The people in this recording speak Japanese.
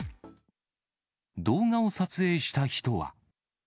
動画を撮影した人は。